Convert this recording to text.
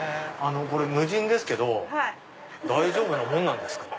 これ無人ですけど大丈夫なもんなんですか？